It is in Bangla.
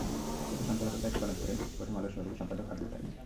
এতে সঞ্চালকের দায়িত্ব পালন করেন প্রথম আলোর সহযোগী সম্পাদক আব্দুল কাইয়ুম।